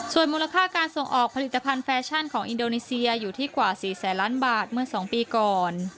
ส่วนมูลค่าการส่งออกผลิตภัณฑ์แฟชั่นของอินโดนีเซียอยู่ที่กว่า๔แสนล้านบาทเมื่อ๒ปีก่อน